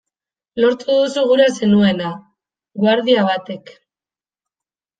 Lortu duzu gura zenuena!, guardia batek.